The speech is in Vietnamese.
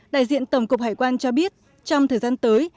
đại diện tổng cục hải quan cho biết trong thời gian tới